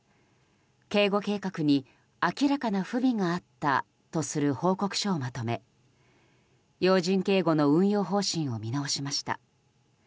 警護企画に明らかな不備があったとする報告書をまとめ要人警護の運用方針を見直しました。